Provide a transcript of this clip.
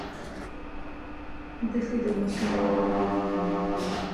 ښتې د افغانستان په هره برخه کې موندل کېږي.